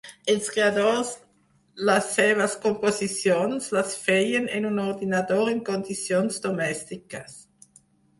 Els creadors les seves composicions les feien en un ordinador en condicions domèstiques.